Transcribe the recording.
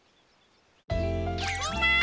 みんな！